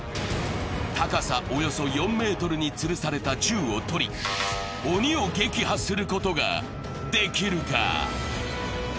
高さおよそ４ｍにつるされた銃を取り鬼を撃破することができるか？